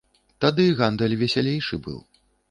Тады гандаль весялейшы быў.